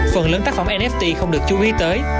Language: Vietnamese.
phần lớn tác phẩm nft không được chú ý tới